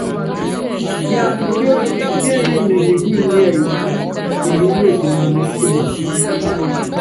Kiansi ki olokí kíényími ne nikúlu nḭ́ɛ́yí, Kiluúme kumanɛɛ́ kuman.